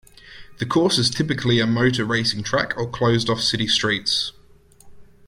The course is typically a motor racing track or closed off city streets.